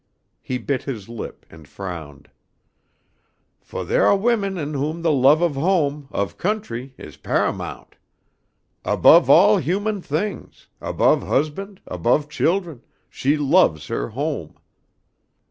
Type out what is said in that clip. He bit his lip and frowned, "fo' theah ah women in whom the love of home, of country, is pa'amount. Above all human things, above husband, above children, she loves her home.